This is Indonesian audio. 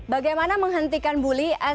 bagaimana menghentikan bully